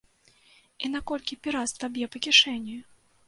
І наколькі пірацтва б'е па кішэні?